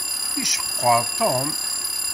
Iceqqeṛ Tom.